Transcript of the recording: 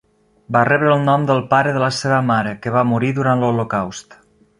Va rebre el nom del pare de la seva mare, que va morir durant l'Holocaust.